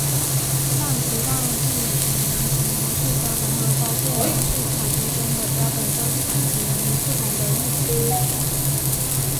但其忘记指明其模式标本和包括模式采集中的标本都采集于不同的日期。